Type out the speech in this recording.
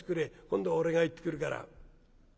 今度は俺が行ってくるから。